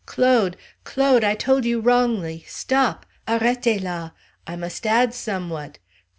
"Claude! Claude! I told you wrongly! Stop! Arretez la! I must add somewhat!